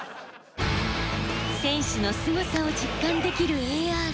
選手のすごさを実感できるＡＲ。